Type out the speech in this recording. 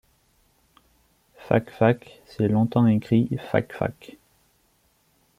Fakfak s'est longtemps écrit Fak-Fak.